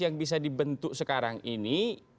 yang bisa dibentuk sekarang ini